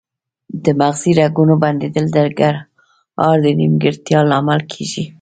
د مغزي رګونو بندیدل د ګړهار د نیمګړتیا لامل کیږي